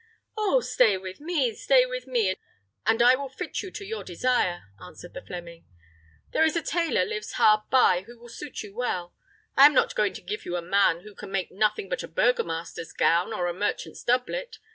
"Oh! stay with me, stay with me, and I will fit you to your desire," answered the Fleming. "There is a tailor lives hard by who will suit you well. I am not going to give you a man who can make nothing but a burgomaster's gown or a merchant's doublet.